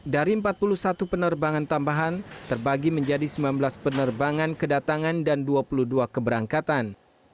dari empat puluh satu penerbangan tambahan terbagi menjadi sembilan belas penerbangan kedatangan dan dua puluh dua keberangkatan